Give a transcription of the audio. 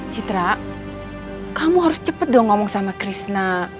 citra kamu harus cepet dong ngomong sama krisna